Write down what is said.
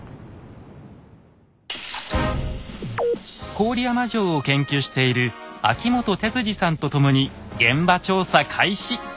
郡山城を研究している秋本哲治さんと共に現場調査開始！